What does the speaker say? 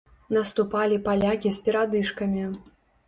Наступалі палякі з перадышкамі.